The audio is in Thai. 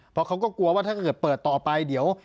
เพราะเขาก็กลัวว่าถ้าเกิดเปิดต่อไปเดี๋ยว